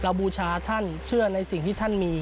บูชาท่านเชื่อในสิ่งที่ท่านมี